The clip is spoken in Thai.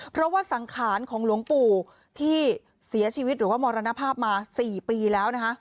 เพราะว่าสังขารของหลวงปู่ที่เสียชีวิตหรือว่ามรณภาพมา๔ปีแล้วนะคะ